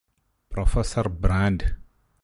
professor brand